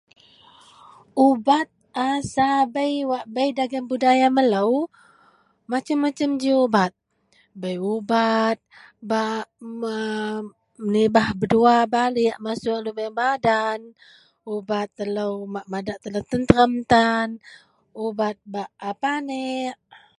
Ubat a sabei wak bei dagen budaya melou, masem-masem ji ubat, bei ubat bak man….menibah beduwa balik masuok lubeang badan, ubat telou bak madak telou tenterem tan, ubat bak a paneak